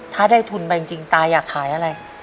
ถ้าได้ทุนไปจริงตาอยากขายอะไร